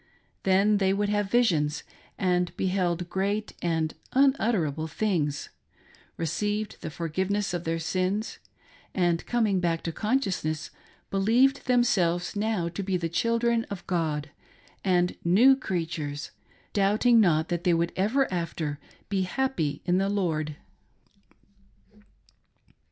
Then they would have visions, and beheld great and unutterable things ; received the forgiveness of their sins ; and, coming back to consciousness, believed themselves now to be the children of God, and new creatures ; doubting not that they would ever after be happy in the Lord.